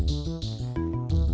sudah di rumah